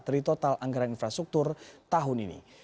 dari total anggaran infrastruktur tahun ini